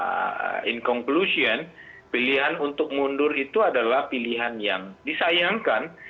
nah in conclusion pilihan untuk mundur itu adalah pilihan yang disayangkan